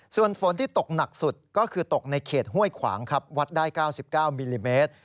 ส่วนฝนที่ตกหนักสุดก็คือตกในเขตห้วยขวางครับวัดได้๙๙มิลลิเมตร